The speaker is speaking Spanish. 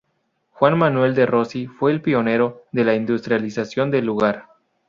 Juan Manuel de Rossi fue el pionero de la industrialización del lugar.